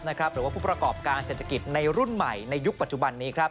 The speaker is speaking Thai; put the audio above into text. หรือว่าผู้ประกอบการเศรษฐกิจในรุ่นใหม่ในยุคปัจจุบันนี้